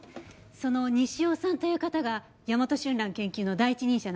その西尾さんという方がヤマトシュンラン研究の第一人者なんですよね？